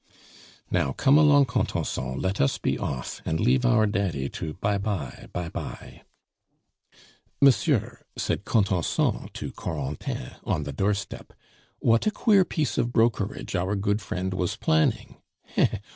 "Now, come along, Contenson, let us be off, and leave our daddy to by bye, by bye!" "Monsieur," said Contenson to Corentin on the doorstep, "what a queer piece of brokerage our good friend was planning!